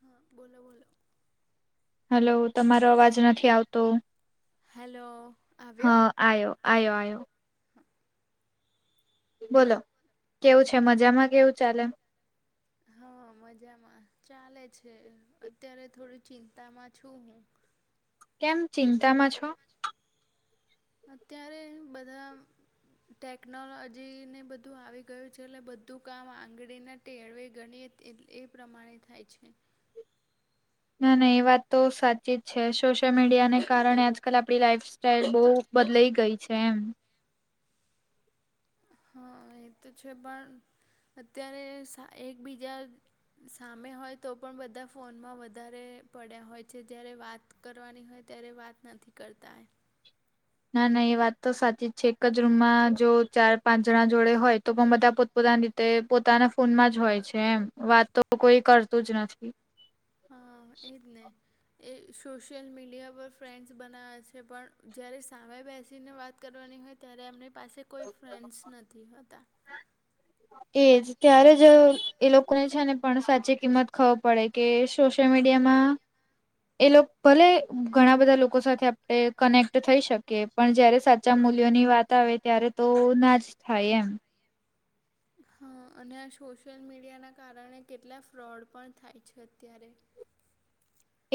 હા બોલો બોલો હાલો તમારો અવાજ નથી આવતો હેલો હા આયો આયો આયો હા. બોલો કેવું છે મજામાં કેવું ચાલે હા મજામાં ચાલે છે અત્યારે થોડી ચિંતામાં છું હું કેમ ચિંતામાં છો. અત્યારે બધા ટેકનોલોજીને બધું આવી ગયું છે એટલે બધું કામ આંગળીના ટેળવે ગણીએ એ પ્રમાણે થાય છે. ના ના એ વાત તો સાચી જ છે સોશિયલ મીડિયા ને કારણે આજકાલ આપડી લાઈફ સ્ટાઈલ બહુ બદલાઈ ગઈ છે એમ હા એ તો છે પણ અત્યારે એકબીજા સામે હોય તો પણ બધા ફોનમાં વધારે પડ્યા હોય છે જ્યારે વાત કરવાની હોય ત્યારે વાત નથી કરતા ના ના એ વાત તો સાચી જ છે એક જ રૂમમાં જો ચાર પાંચ જણા જોડે હોય તો પણ બધા પો પોતાની રીતે પોતાના ફોનમાં જ હોય છે એમ વાત તો કોઈ કરતું જ નથી. હા એ જ ને. એ સોશિયલ મીડિયા પર ફ્રેન્ડસ બનાવવે છે પણ જ્યારે સામે બેસીને વાત કરવાની હોય ત્યારે એમની પાસે કોઈ ફ્રેન્ડસ નથી હોતા. એજ ત્યારે જ એ લોકોને છે ને પણ સાચી કિંમત ખબર પડે કે સોશિયલ મીડિયામાં એ લોકો ભલે ઘણા બધા લોકો સાથે આપણે કનેક્ટ થઈ શકીએ પણ જયારે સાચા મૂલ્યોની વાત આવે ત્યારે. તો ના જ થાય એમ. હા અને આ સોશિયલ મીડિયાના કારણે કેટલા ફ્રોડ પણ થાય છે અત્યારે.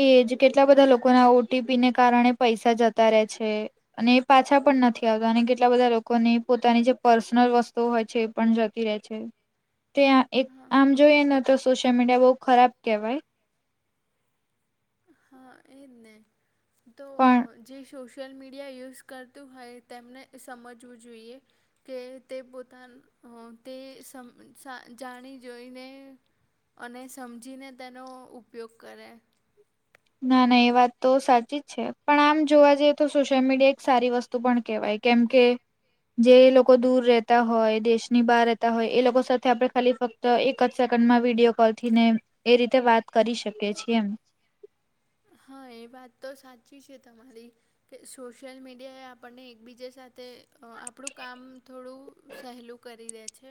એજ કેટલા બધા લોકોના ઓટીપીને કારણે પૈસા જતા રહે છે. અને એ પાછા પણ નથી આવતા અને કેટલા બધા લોકોને પોતાની જે પર્સનલ વસ્તુઓ હોય છે એ પણ જતા જતી રહે છે તે એક હા આમ જોઈએ ને તો સોશિયલ મીડિયા બહુ ખરાબ કવાય. હા એજ ને તો પણ જે શો સોશિયલ મીડિયા યુઝ કરતું હોય તેમને સમજવું જોઈએ. કે તે પોતા ન હ તે સમ સા જાણી જોઈને. અને સમજીને તેનો ઉપયોગ કરે. ના ના એ વાત તો સાચી જ છે પણ આમ જોવા જઈએ તો સોશિયલ મીડિયા એક સારી વસ્તુ તું પણ કેહેવાય કેમ કે. જે લોકો દૂર રહેતા હોય દેશની બહાર રહેતા હોય એ લોકો સાથે આપડે ખાલી ફક્ત તો એક જ સેકન્ડમાં વિડીિયો કોલ થી ને એ રીતે વાત કરી શકીએ છીએ એમ. હા એ વાત તો સાચી છે તમારી. કે સોશિયલ મીડિયાએ આપણને એકબીજા સાથે આપણું કામ થોડું સહેલું કરી દે છે.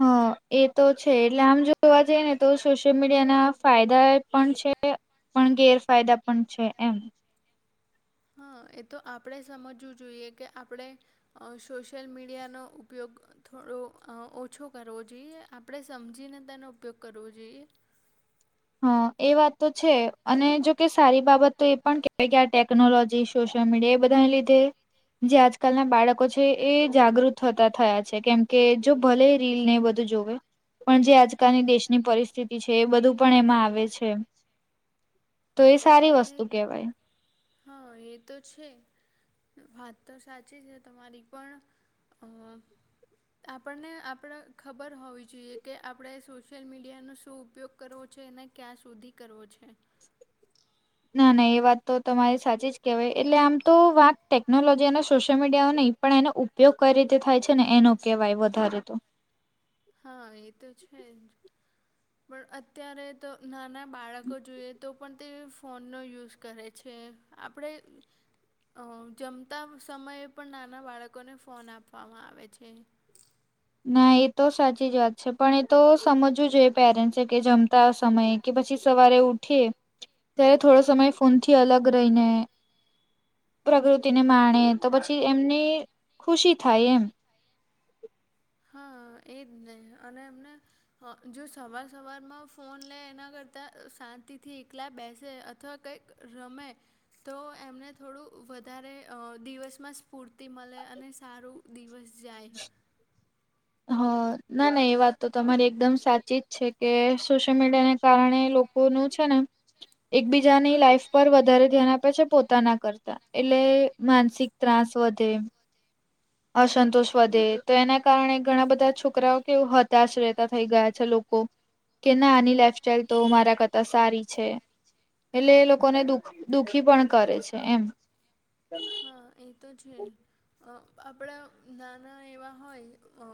હા એ તો છે એટલે આમ જોવા જઈએ ને તો સોશિયલ મીડિયા ના ફાયદા પણ છે પણ ગેરફાયદા પણ છે એમ. હા એ તો આપણે સમજવું જોઈએ કે આપણે ઓ સોશિયલ મીડિયાનો ઉપયોગ. થોડો ઓછો કરવો જોઈએ આપણે સમજીને તેનો ઉપયોગ કરવો જોઈએ. હા એ વાત તો છે અને જોકે સારી બાબત તો એ પણ કેવાય કે આ ટેકનોલોજી સોશિયલ મીડિયા એ બધાને લીધે જે આજકાલના બાળકો છે એ જાગૃત થતા થયા છે, કેમ કે જો ભલે રીલને એ બધું જોવે પણ જે આજ કાની દેશની પરિસ્થિતિ છે, એ બધું પણ એમાં આવે છે. તો એ સારી વસ્તુ કેહેવાય. હન, એ તો છે. વાત તો સાચી છે તમારી પણ અ આપણને આપડ ખબર હોવી જોઈએ કે, આપડે સોશિયલ મીડિયાનો શું ઉપયોગ કરવો છે ને ક્યાં સુધી કરવો છે. ના, ના એ વાત તો તમારે સાચી જ કહેવાય એટલે આમ તો વાત ટેકનોલોજી અને સોશિયલ મીડિયા નઈ પણ એનો ઉપયોગ કઈ રીતે થાય છે ને એનો કહેવાય વધારે તો. હન, એ તો છે જ, પણ અત્યારે તો નાના બાળકો જોઈએ તો પણ તે ફોનનો યુઝ કરે છે આપડે અ જમતા સમયે પણ નાના બાળકોને ફોન આપવામાં આવે છે. ના, એ તો સાચી જ વાત છે. પણ એ તો સમજવું જોઈએ પેરેન્ટ્સે કે જમ તા સમયે કે પછી સવારે ઉઠી ત્યારે થોડો સમય ફોનથી અલગ રઈને પ્રકૃતિને માણે તો પછી એમની ખુશી થાય એમ. હન, એ જ ને અને એમને હઅ, જો સવાર સવારમાં ફોન લે એના કરતાં શાંતિથી એકલા બેસે અથવા કંઈક રમે તો એમને થોડું વધારે અ દિવસમાં સ્ફૂર્તિ મલે અને સારું દિવસ જાય. હઅ, ના, ના એ વાત તો તમારી એકદમ સાચી જ છે કે સોશિયલ મીડિયાને કારણે લોકોનું છે ન એકબીજાની લાઈફ પર વધારે ધ્યાન આપે છે પોતાના કરતા. એટલે માનસિક ત્રાસ વધે અસંતોષ વધે તો એના કારણે ઘણા બધા છોકરાઓ કેવું હતાશ રહેતા થઈ ગયા છે લો કો કે ના આની લાઈફસ્ટાઈલ તો મારા કરતા સારી છે એટલે એ લોકોને દુખ દુઃખી પણ કરે છે એમ. હન, એ તો છે. અ આપડ નાના એવા હોય અ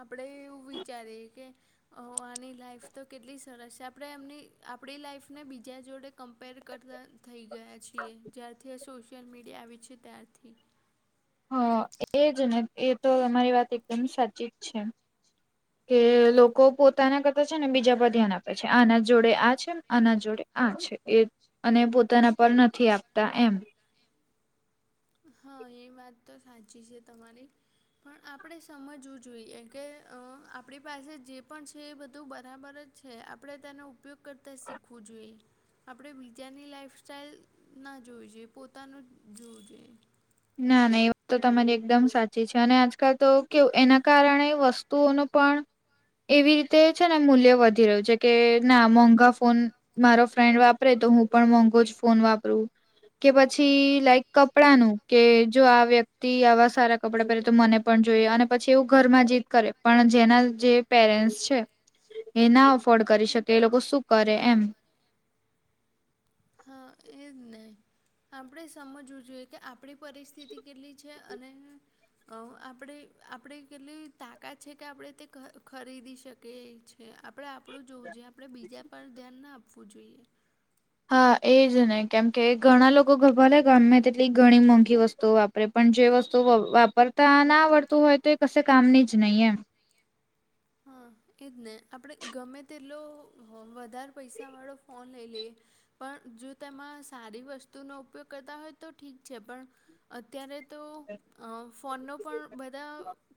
આપડે એવું વિચારીએ કે ઓ આની લાઈફ તો કેટલી સરસ છે, આપડે એમની આપડી લાઈફને બીજા જોડે કમ્પેર કરતા થઈ ગયા છીએ, જ્યારથી આ સોશિયલ મીડિયા આવી છે ત્યારથી હન, એ જ ને એ તો અમારી વાત એકદમ સાચી જ છે. કે લોકો પોતાના કરતા છે ને બીજા પર ધ્યાન આપે છે, આના જોડે આ છે, આના જોડે આ છે એ અને પોતાના પર નથી આપતા એમ. હન, એ વાત તો સાચી છે તમારી. પણ આપડે સમજવું જોઈએ કે અ આપડી પાસે જે પણ છે એ બધું બરાબર જ છે. આપડે તેનો ઉપયોગ કરતા શીખવું જોઈએ. આપડે બીજાની લાઈફસ્ટાઈલ ના જોવી જોઈએ, પોતાનું જ જોવું જોઈએ. ના, ના એ વાત તો તમારી એકદમ સાચી છે. અને આજકાલ તો કેવું એના કારણે વસ્તુઓનું પણ એવી રીતે છે ને મૂલ્ય વધી રહ્યું છે કે ના મોંઘા ફોન મારો ફ્રેન્ડ વાપરે તો હું પણ મોંઘો જ ફોન વાપરું. કે પછી લાઈક કપડાનું કે જો આ વ્યક્તિ આવા સારા કપડાં પહેરે તો મને પણ જોઈએ અને પછી એવું ઘરમાં જીદ કરે. પણ જેના જે પેરેન્ટ્સ છે એ ના અફોર્ડ કરી શકે એ લોકો શું કરે? એમ. હન, એ જ ને. આપડે સમજવું જોઈએ કે આપડી પરિસ્થિતિ કેટલી છે અને અ આપડે આપડે કેટલી તાકાત છે કે આપડે તે ખ-ખરીદી શકે છે. એ આપડે આપડુ જોવું જોઈએ, આપડે બીજા પર ધ્યાન ના આપવું જોઈએ. હા એજ ને કેમકે ઘણા લોકો ગ ભલે ગમે તેટલી ઘણી મોંઘી વસ્તુઓ વેપાર પણ જે વસ્તુ વાપરતા ના આવડતું હોય તો એ કશે કામની જ નહીં એમ. હા એ જ ને આપણે ગમે તેટલો વધારે પૈસાવાળો ફોન લઈ લઈએ પણ જો તેમાં સારી વસ્તુનો ઉપયોગ કરતા હોય તો ઠીક છે પણ અત્યારે તો અ ફોનનો પણ બધા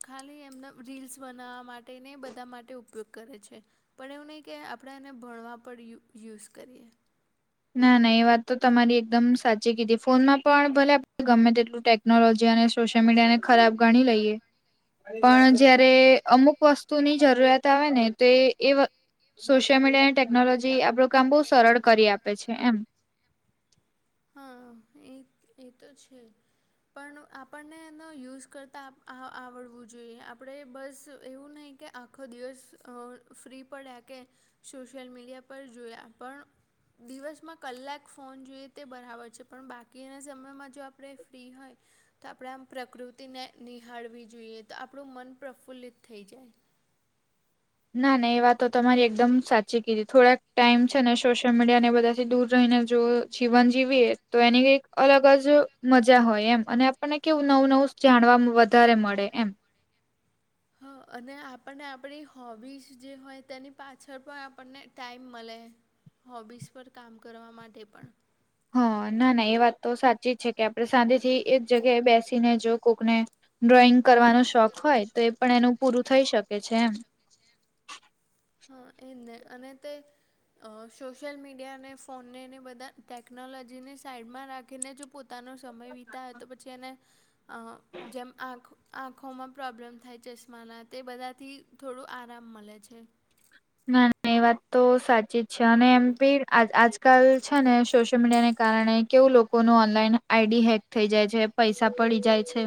ખાલી એમના રીલ્સ બનાવવા માટે ને બધા માટે ઉપયોગ કરે છે. પણ એવું નહીં કે આપણે એને ભણવા પર યુઝ કરીએ. ના ના એ વાત તો તમારી એકદમ સાચી કીધી ફોનમાં પણ ભલે આપણે ગમે તેટલું ટેક્ નોલોજી અને સોશયલ મીડિયાને ખરાબ ગણી લઈએ પણ જયારે અમુક વસ્તુની જરૂરિયાત આવે ને તો એ સોશિયલ મીડિયા અને ટેકનોલોજી આપડું કામ બહુ સરળ કરી આપે છે એમ. હા એ એ તો છે. પણ આપણને એનો યુઝ કરતા આ આવડવું જોઈએ આપણે બસ એવું નહી કે આખો દિવસ અ ફ્રી પડ્યા કે સોશિયલ મીડિયા પર જોયા પણ દિવસમાં કલાક ફોન જોઈએ તે બરાબર છે પણ બાકીના સમયમાં જો આપણે ફ્રી હોય તો આપણે આમ પ્રકૃતિને નિહાળવી જોઈએ તો આપણું મન પ્રફુલ્લિત થઈ જાય. ના ના એ વાત તો તમારી એકદમ સાચી કીધી થોડાક ટાઈમ છે ને સોશિયલ મીડિયા ને બધાથી દૂર રહીને જુઓ જીવન જીવીએ તો એની કઈ અલગ જ મજા હોય એમ અને આપણને કેવું નવું નવું જાણવા વધારે મળે એમ. હા અને આપણને આપણી હોબીઝ જે હોય તેની પાછળ પણ આપણને ટાઈમ મળે. હોબીઝ પર કામ કરવા માટે પણ. હા ના ના એ વાત તો સાચી જ છે કે આપણે સાંજે થી એ જગ્યાએ બેસીને જો કોકને ડ્રોઈંગ કરવાનો શોખ હોય તો એ પણ એનું પૂરું થઈ શકે છે એમ. હા એજ ને અને તે સોશિયલ મીડિયા અને ફોનને એને બધા ટેકનોલોજીને સાઈડમાં રાખીને જો પો તાનો સમય વિતાવે તો પછી એને અ જેમ આખ આંખોમાં પ્રોબ્લેમ થાય ચશ્માના તે બધાથી થોડું આરામ મલે છે. ના ના એ વાત તો સાચી જ છે અને એમ બી આજ આજકાલ છે ને સોશિયલ મીડિયા ને કારણે કેવું લોકો નું ઓનલાઈન આઈડી હેક થઈ જાય છે પૈસા પડી જાય છે.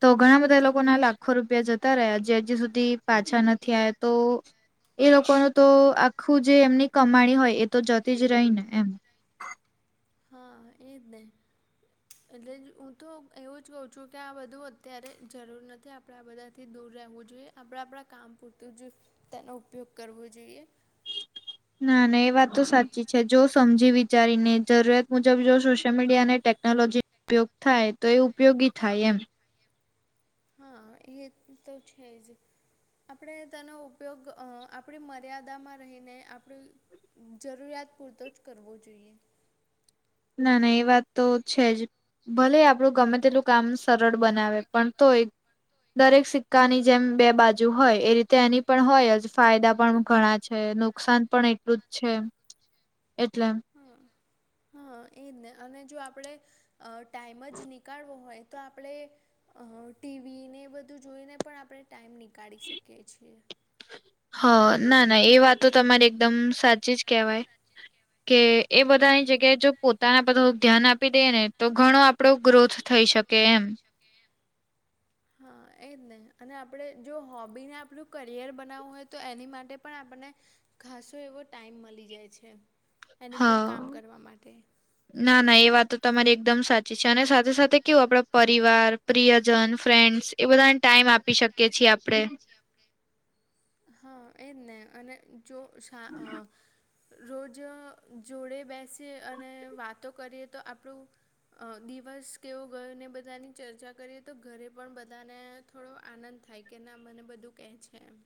તો ઘણા બધા લોકો ના લાખો રૂપિયા જતા રહ્યા જે હજી સુધી પાછા નથી આયા તો એ લોકોનું તો આખું જે એમની કમાણી હોય એ તો જતી જ રહી ને એમ. હા એ જ ને એટલે જ હું તો એવું જ કવ છું કે આ બધું અત્યારે જરૂર નથી આપ ડે આ બધાથી દૂર રહેવું જોઈએ આપણા આપણા કામ પૂરતું જ તેનો ઉપયોગ કરવો જોઈએ. ના ના એ વાત તો સાચી છે જો સમજી વિચારીને જરૂરિયાત મુજબ જો સોશિયલ મીડિયા અને ટેકનોલોજી ઉપયોગ થાય તો એ ઉપયોગી થાય એમ. હા એ તો જ છે જ આપણે તેનો ઉપયોગ આપણી મર્યાદામાં રહીને આપડી જરૂરિયાત પૂરતો જ કરવો જોઈએ. ના ના એ વાત તો છે જ ભલે આપણું ગમે તેટલું કામ સરળ બનાવે પણ તોય દરેક સિક્કાની જેમ બે બાજુ હોય એ રીતે એની પણ હોય જ ફાયદા પણ ઘણા છે નુકસાન પણ એટલું નુકસાન જ પણ છે એટલું જ છે. એટલે હા હા એ જ ને અને જો આપણે ટાઈમ જ નીકળવો હોય તો આપણે અ ટીવી ને બધું જોઈને પણ આપણે ટાઈમ નીકાળી શકીએ છીએ. હ ના ના એ વાતો તમારે એકદમ સાચી જ કહેવાય કે એ બધાની જગ્યાએ જો પોતાના બધા ધ્યાન આપી દે ને. તો ઘણો આપડો ગ્રોથ થઈ શકે એમ હા એ જ નહી અને આપણે જો હોબીને આપણું કરિયર બનાવવું હોય તો એની માટે પણ આપણને ઘાસો એવો ટાઈમ મળી જાય છે એની પર કામ હા કરવા માટે ના ના એ વાત તો તમારી એકદમ સાચી છે અને સાથે સાથે કેવું આપડ પરિવાર પ્રિયજન ફ્રેન્ડ્સ એ બધાને ટાઈમ આપી શકીએ છીએ આપડે હા એજ ને અને જો રોજ જોડે બેસીએ અને વાતો કરીએ તો આપણું અ દિવસ કેવો ગયો ને બધાની ચર્ચા કરીએ તો ઘરે પણ બધાને થોડો આનંદ થાય કે ના મને બધું કહે છે એમ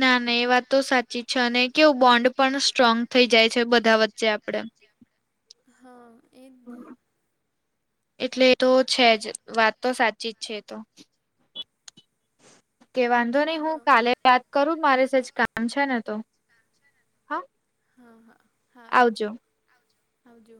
ના ના એ વાત તો સાચી છે અને કેવું બોન્ડ પણ સ્ટ્રોંગ થઈ જાય છે બધા વચ્ચે આપદા હા એજ ને. એટલે તો છે જ વાત તો સાચી જ છે તો કે વાંધો નહી હું હા કાલે વાત કરું મારે સજ કામ છેને તો હા હા હા હા આવજો હા આવ જો